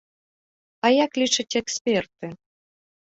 А як лічаць эксперты?